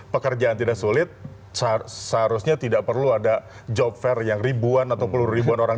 pekerjaan tidak sulit seharusnya tidak perlu ada job fair yang ribuan atau perlu ribuan orang